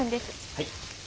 はい。